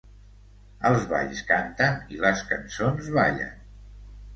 Els balls canten i les cançons ballen.